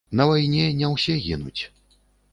На вайне не ўсе гінуць.